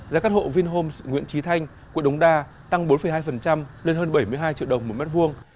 giá căn hộ vinhome nguyễn trí thanh quận đống đa tăng bốn hai lên hơn bảy mươi hai triệu đồng một mét vuông